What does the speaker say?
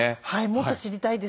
もっと知りたいです。